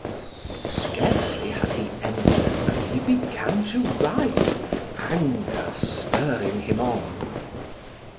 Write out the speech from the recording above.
Scarcely had he entered than he began to write, anger spurring him on.